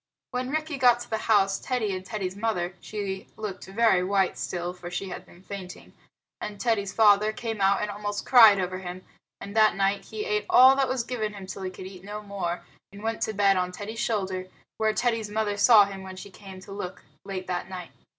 When Rikki got to the house, Teddy and Teddy's mother (she looked very white still, for she had been fainting) and Teddy's father came out and almost cried over him; and that night he ate all that was given him till he could eat no more, and went to bed on Teddy's shoulder, where Teddy's mother saw him when she came to look late at night.